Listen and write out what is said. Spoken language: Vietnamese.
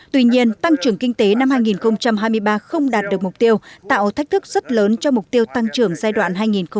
tuy nhiên tăng trưởng kinh tế năm hai nghìn hai mươi ba không đạt được mục tiêu tạo thách thức rất lớn cho mục tiêu tăng trưởng giai đoạn hai nghìn hai mươi một hai nghìn ba mươi